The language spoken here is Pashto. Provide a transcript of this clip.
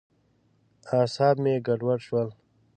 اعصاب مې ګډوډ شول.